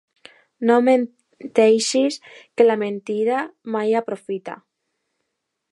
No menteixis, que la mentida mai aprofita.